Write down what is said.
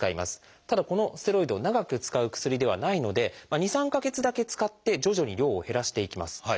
ただこのステロイド長く使う薬ではないので２３か月だけ使って徐々に量を減らしていきます。